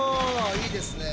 いいですね。